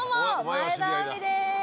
前田亜美です。